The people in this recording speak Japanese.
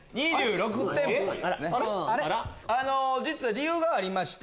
理由がありまして。